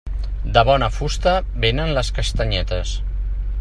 De bona fusta vénen les castanyetes.